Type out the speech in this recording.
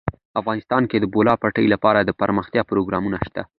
افغانستان کې د د بولان پټي لپاره دپرمختیا پروګرامونه شته.